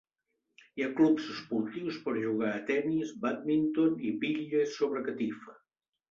Hi ha clubs esportius per jugar a tennis, bàdminton i bitlles sobre catifa.